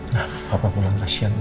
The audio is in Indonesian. nah papa pulang kasian ya